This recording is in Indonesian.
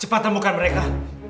cepat temukan mereka